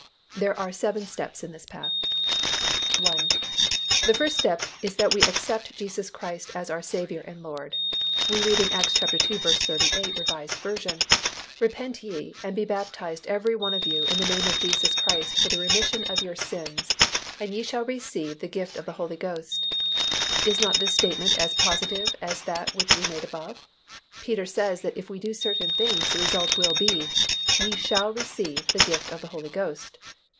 There are seven steps in this path: 1. The first step is that we accept Jesus Christ as our Saviour and Lord. We read in Acts ii. 38, R. V., "Repent ye, and be baptized every one of you in the name of Jesus Christ for the remission of your sins, and ye shall receive the gift of the Holy Ghost." Is not this statement as positive as that which we made above? Peter says that if we do certain things, the result will be, "Ye shall receive the gift of the Holy Ghost."